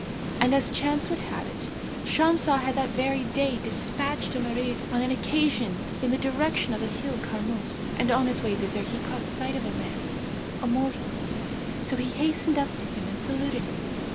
And as chance would have it, Shamsah had that very day despatched a Marid on an occasion in the direction of the hill Karmus, and on his way thither he caught sight of a man, a mortal; so he hastened up to him and saluted him.